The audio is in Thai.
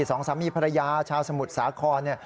สองสามีภรรยาชาวสมุทรสาคร